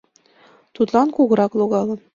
Тудлан Кугырак логалын.